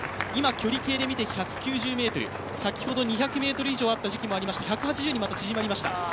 距離計で見て１９０ｍ、先ほど、２００以上あったときもありましたが１８０に縮まりました。